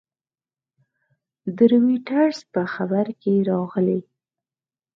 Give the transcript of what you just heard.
د رویټرز په خبر کې راغلي